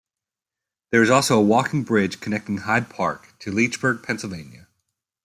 There is also a walking bridge connecting Hyde Park to Leechburg, Pennsylvania.